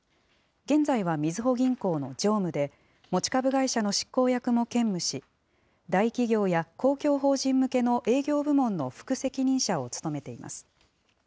現在はみずほ銀行の常務で、持ち株会社の執行役も兼務し、大企業や公共法人向けの営業部門の副責任者を務めています。